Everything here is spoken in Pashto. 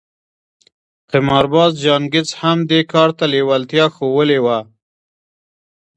قمارباز جان ګيټس هم دې کار ته لېوالتيا ښوولې وه.